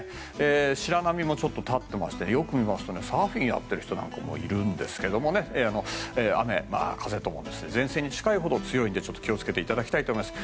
白波もちょっと立ってましてよく見ますとサーフィンをやっている人もいるんですけども雨、風共に前線に近いほど強いので、気を付けていただきたいと思います。